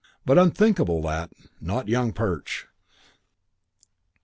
But unthinkable, that. Not Young Perch....